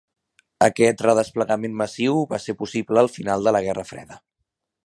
Aquest redesplegament massiu va ser possible al final de la Guerra Freda.